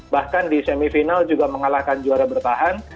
bahkan di semifinal juga mengalahkan juara bertahan